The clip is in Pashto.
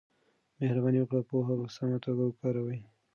مهرباني وکړئ پوهه په سمه توګه وکاروئ.